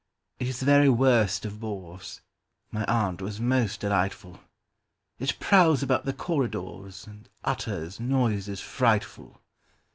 It is the very worst of bores:(My Aunt was most delightful).It prowls about the corridors, And utters noises frightful.